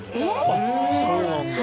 あっそうなんだ。